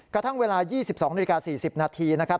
กระทั่งเวลา๒๒๔๐นะครับ